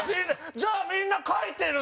じゃあ、みんな書いてるの？